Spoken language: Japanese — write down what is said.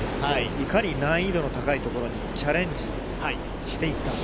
いかに高いところにチャレンジしていった。